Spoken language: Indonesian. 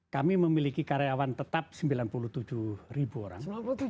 kami memiliki karyawan tetap sembilan puluh tujuh ribu orang